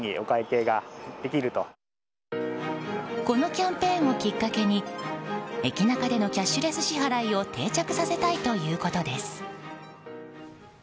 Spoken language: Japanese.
このキャンペーンをきっかけに駅ナカでのキャッシュレス支払いを定着させたいということです。